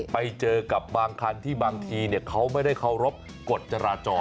ไปเจอกับบางคันที่บางทีเขาไม่ได้เคารพกฎจราจร